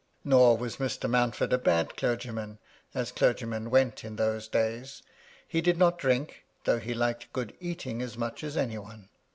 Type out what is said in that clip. Nor was Mr. Mountford a bad clergyman, as clergymen went in those days. He did not drink, though he liked good eating as much as any one.